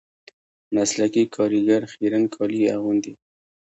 مسلکي کاریګر خیرن کالي اغوندي